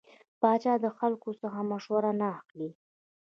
پاچا د خلکو څخه مشوره نه اخلي .